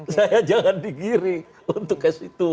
saya jangan digiri untuk ke situ